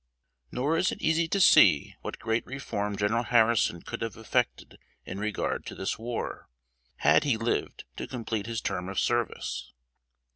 Nor is it easy to see what great reform General Harrison could have effected in regard to this war, had he lived to complete his term of service.